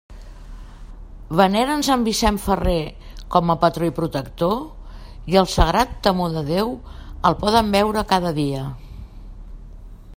Veneren sant Vicent Ferrer com a patró i protector, i el sagrat temor de Déu el poden veure cada dia.